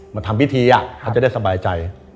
มาทำพิธีเขาจะได้สบายใจ